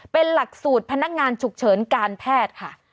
เป็นหลักสูตรพนักงานฉุกเฉินการแพทย์ค่ะ